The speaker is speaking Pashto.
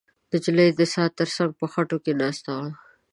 نجلۍ د څا تر څنګ په خټو کې ناسته وه.